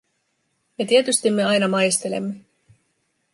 Ja tietysti me aina maistelemme.